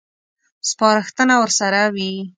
سپارښتنه ورسره وي.